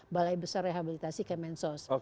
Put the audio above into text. balai besar rehabilitasi kemensos